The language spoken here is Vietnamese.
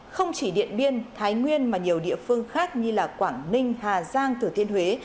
không chỉ điện biên thái nguyên mà nhiều địa phương khác như quảng ninh hà giang thừa thiên huế